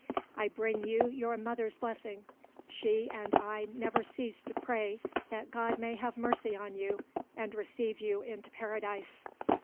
I bring you your mother's blessing; she and I never cease to pray that God may have mercy on you and receive you into Paradise."